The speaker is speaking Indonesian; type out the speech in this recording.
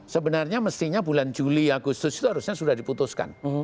sebenarnya mestinya bulan juli agustus itu harusnya sudah diputuskan